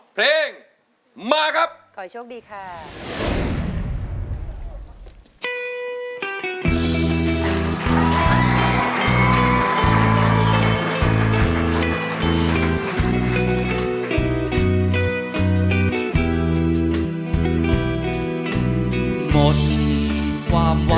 เพลงมาครับ